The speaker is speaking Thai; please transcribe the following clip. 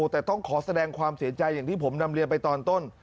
แต่ต้องขอแสดงความเสียใจอย่างที่ผมนำเรียนไปตอนต้น